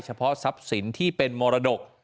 เฉพาะทรัพย์สินที่เป็นมรดก